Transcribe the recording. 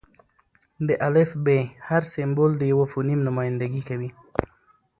د الفبې: هر سېمبول د یوه فونیم نمایندګي کوي.